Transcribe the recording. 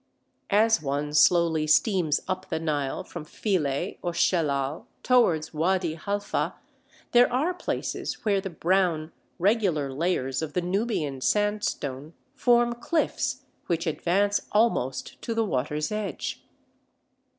As one slowly steams up the Nile from Philae or Shellal towards Wady Halfa, there are places where the brown, regular layers of the Nubian Sandstone form cliffs which advance almost to the water's edge.